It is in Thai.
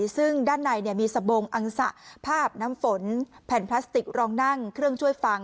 ซึ่งด้านในมีสบงอังสะภาพน้ำฝนแผ่นพลาสติกรองนั่งเครื่องช่วยฟัง